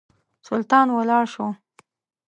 سلطان ولاړ شو.